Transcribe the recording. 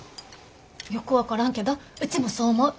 よく分からんけどうちもそう思う。